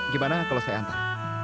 gimana kalau saya antar